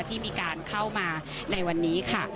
ที่มีการเข้ามาในวันนี้ค่ะ